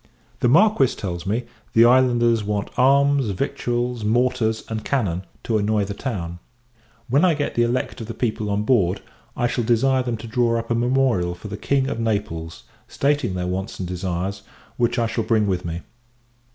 The Marquis tells me, the islanders want arms, victuals, mortars, and cannon, to annoy the town. When I get the elect of the people on board, I shall desire them to draw up a memorial for the King of Naples, stating their wants and desires, which I shall bring with me.